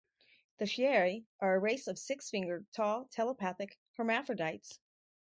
The "Chieri" are a race of six-fingered, tall, telepathic hermaphrodites.